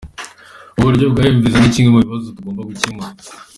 Uburyo bwa mVisa ni kimwe mu bibazo bugomba gukemura.